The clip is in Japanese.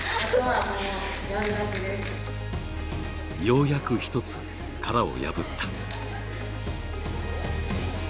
ようやく、一つ殻を破った。